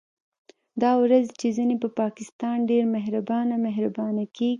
دا ورځې چې ځينې په پاکستان ډېر مهربانه مهربانه کېږي